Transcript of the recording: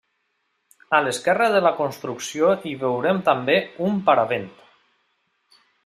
A l'esquerra de la construcció hi veurem també un paravent.